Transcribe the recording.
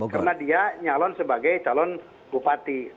karena dia nyalon sebagai calon bupati